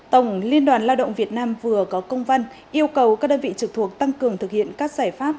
tổng liên đoàn lao động việt nam vừa có công văn yêu cầu các đơn vị trực thuộc tăng cường thực hiện các giải pháp